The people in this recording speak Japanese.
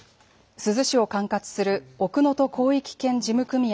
珠洲市を管轄する奥能登広域圏事務組合